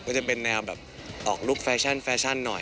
ก็จะเป็นแนวแบบออกลูกแฟชั่นแฟชั่นหน่อย